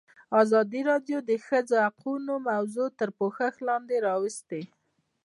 ازادي راډیو د د ښځو حقونه موضوع تر پوښښ لاندې راوستې.